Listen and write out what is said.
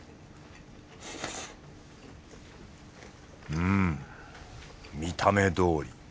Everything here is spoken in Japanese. うん見た目どおり。